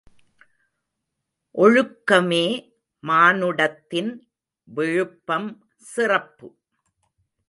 ஒழுக்கமே மானுடத்தின் விழுப்பம் சிறப்பு.